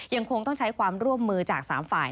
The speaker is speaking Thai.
ยังคงต้องใช้ความร่วมมือจาก๓ฝ่าย